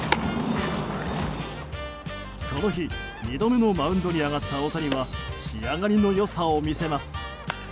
この日、２度目のマウンドに上がった大谷は仕上がりの良さを見せます。